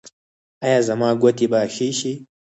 ایا زما ګوتې به ښې شي؟